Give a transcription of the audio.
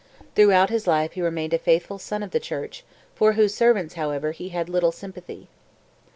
Throughout his life he remained a faithful son of the church, for whose servants, however, he had little sympathy.